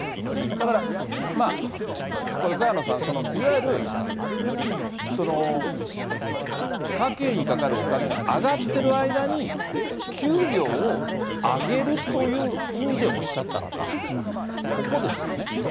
だから、まあ、これ、萱野さん、いわゆる家計にかかるお金が上がっている間に、給料を上げるという意味でおっしゃったのか、ここですよね。